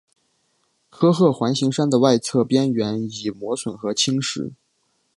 科赫环形山的外侧边缘已磨损和侵蚀。